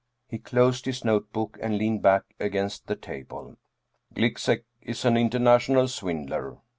He closed his notebook and leaned back against the table. " Gliczek is an international swindler."